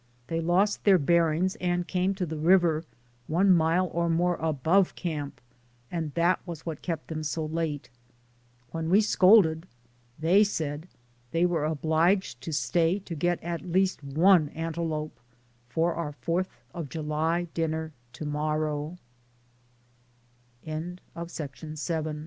They lost their bearings and came to the river, one mile or more above camp, and that was what kept them so late. When we scolded, they said they were obliged to stay to get at least one antelope for our Fourth of Jul